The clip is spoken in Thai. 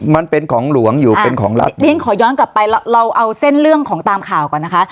มันเป็นของหลวงอยู่เป็นของรัฐเรียนขอย้อนกลับไปเราเอาเส้นเรื่องของตามข่าวก่อนนะคะ